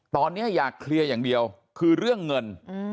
ตอนนี้อยากเคลียร์อย่างเดียวคือเรื่องเงิน